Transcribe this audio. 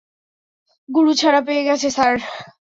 গুরু ছাড়া পেয়ে গেছে, স্যার।